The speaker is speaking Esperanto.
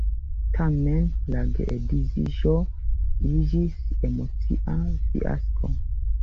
Tamen la geedziĝo iĝis emocia fiasko.